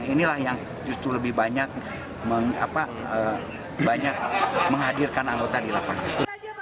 inilah yang justru lebih banyak menghadirkan anggota di lapangan